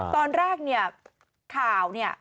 ตอนแรกเนี่ยข่าวเนี่ย